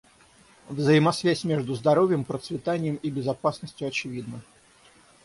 Взаимосвязь между здоровьем, процветанием и безопасностью очевидна.